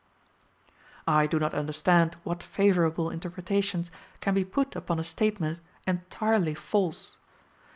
I do not understand what favourable interpretations can be put upon a statement entirely false.